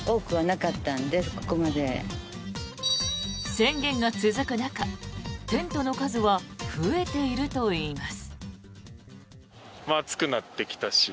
宣言が続く中、テントの数は増えているといいます。